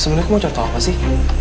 sebenernya aku mau cari tolong apa sih